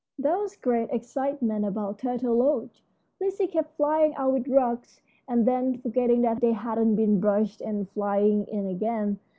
There was great excitement about Turtle Lodge. Lizzie kept flying out with rugs, and then forgetting they hadn't been brushed and flying in again.